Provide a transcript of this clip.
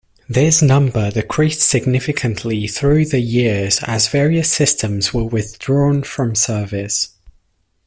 This number decreased significantly through the years as various systems were withdrawn from service.